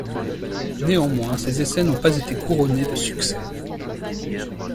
Néanmoins, ces essais n'ont pas été couronnés de succès.